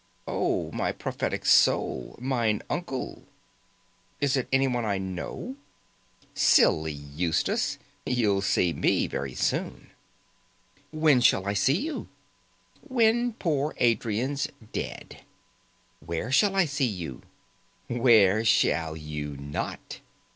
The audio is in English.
"Oh, my prophetic soul, mine uncle." "Is it anyone I know?" "Silly Eustace, you'll see me very soon." "When shall I see you?" "When poor old Adrian's dead." "Where shall I see you?" "Where shall you not?"